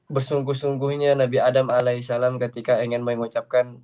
bersungguh sungguhnya nabi adam alaihissalam ketika ingin mengucapkan